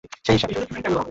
লম্ব বিভাজন হল বৃত্তাকার।